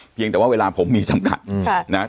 เพียงแต่ว่าเวลาผมมีจำกัดนะครับ